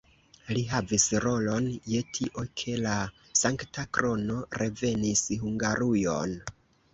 Li havis rolon je tio, ke la Sankta Krono revenis Hungarujon.